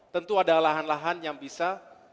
tentu ada lahan lahan yang bisa